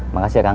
makasih ya kang